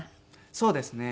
そうですね。